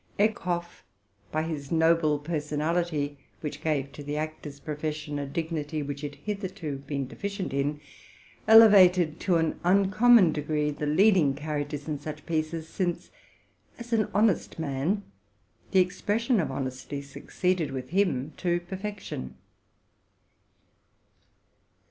Eckhof, by his noble per sonality, "which gave to the actor's profession a dignity in which it had hitherto been deficient, elevated to an uncom mon degree the leading characters in such pieces ; since, as an honest man, the expression of honesty succeeded with him to perfection.